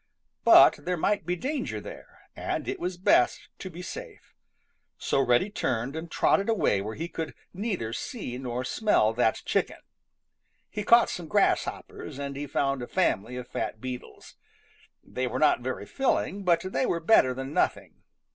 But there might be danger there, and it was best to be safe. So Reddy turned and trotted away where he could neither see nor smell that chicken. He caught some grasshoppers, and he found a family of fat beetles. They were not very filling, but they were better than nothing.